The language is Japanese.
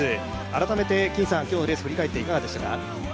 改めて今日のレース振り返っていかがでしたか？